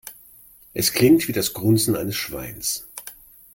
Es klingt wie das Grunzen eines Schweins.